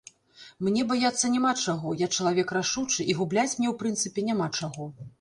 Мне баяцца няма чаго, я чалавек рашучы, і губляць мне, у прынцыпе, няма чаго.